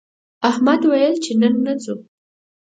احمد ویل چې نن نه ځو